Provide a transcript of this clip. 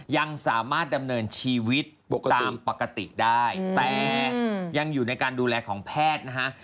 ยังสามารถดำเนินชีวิตตามปกติได้แต่ยังอยู่ในการดูแลของแพทย์นะฮะ